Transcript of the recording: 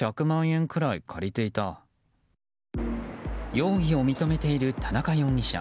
容疑を認めている田中容疑者。